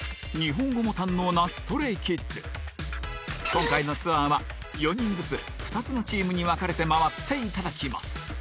今回のツアーは４人ずつ２つのチームに分かれて回っていただきます